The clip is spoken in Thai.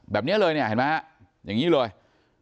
แบบนี้เลยเนี่ยเห็นไหมฮะอย่างนี้เลย